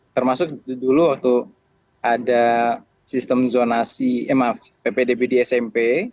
termasuk dulu waktu ada sistem zonasi ppdb di smp